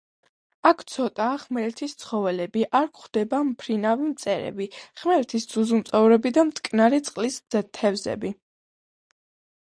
აქ ცოტაა ხმელეთის ცხოველები: არ გვხვდება მფრინავი მწერები, ხმელეთის ძუძუმწოვრები და მტკნარი წყლის თევზები.